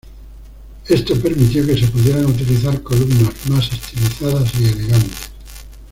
Esto permitió que se pudieran utilizar columnas más estilizadas y elegantes.